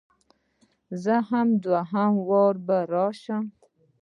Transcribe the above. زه دوهم واري بیا راسم؟